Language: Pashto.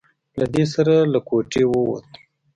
له دې سره له کوټې ووت.